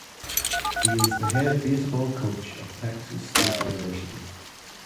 He is the head baseball coach of Texas State University.